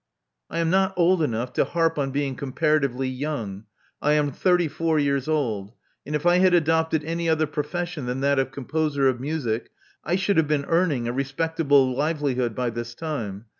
I am not old enough to harp on being comparatively young. I am thirty four years old; and if I had adopted any other profession than that of composer of music, I should have been earning a respectable liveli hood by this time.